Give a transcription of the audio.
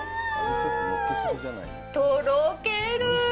とろける！